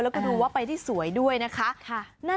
แล้วก็ดูว่าไปได้สวยด้วยนะคะ